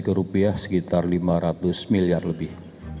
ke rupiah sekitar lima ratus miliar lebih